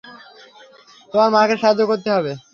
তোমার মাকে সাহায্য করতে হবে।